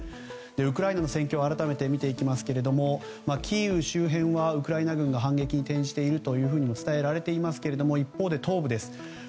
ウクライナの戦況改めて見ていきますけれどもキーウ周辺はウクライナ軍が反撃に転じているとも伝えられていますけれども一方で東部です。